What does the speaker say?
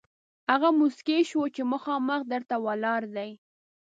هغه موسکی شو چې مخامخ در ته ولاړ دی.